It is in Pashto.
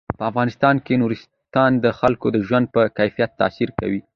په افغانستان کې نورستان د خلکو د ژوند په کیفیت تاثیر کوي.